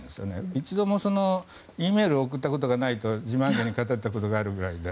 一度もＥメールを送ったことがないと自慢げに語ったことがあるぐらいで。